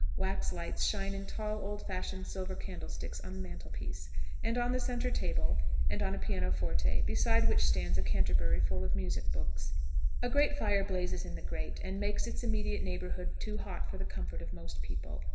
Wax lights shine in tall, old fashioned silver candlesticks on the mantelpiece, and on the centre table, and on a pianoforte, beside which stands a canterbury full of music books. A great fire blazes in the grate, and makes its immediate neighbourhood too hot for the comfort of most people.